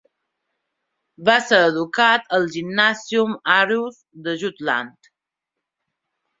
Va ser educat al Gymnasium Aarhus de Jutland.